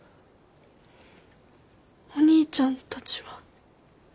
お兄ちゃんたちは。